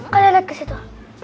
kalian lihat kesitu